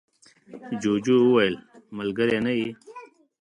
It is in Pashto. جوجو وویل ملگری نه یې.